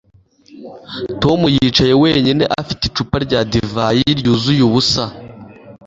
Tom yicaye wenyine afite icupa rya divayi ryuzuye ubusa